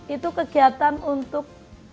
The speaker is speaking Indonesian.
itu kegiatan untuk